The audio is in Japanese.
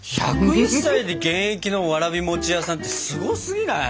１０１歳で現役のわらび餅屋さんってすごすぎない？